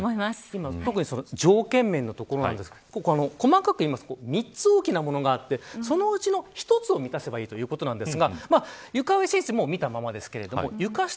今回、条件面のところなんですが細かく３つ大きなものがあってそのうちの１つを満たせばいいということなんです。